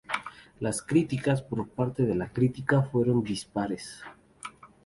Las críticas por parte de la crítica fueron dispares.